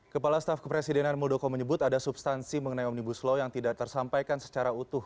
kepala staf kepresidenan muldoko menyebut ada substansi mengenai omnibus law yang tidak tersampaikan secara utuh